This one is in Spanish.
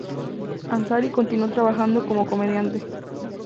Ansari continuó trabajando como comediante.